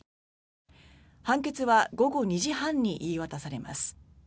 判決は午後２時半に言い渡されます。